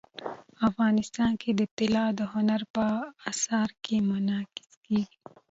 افغانستان کې طلا د هنر په اثار کې منعکس کېږي.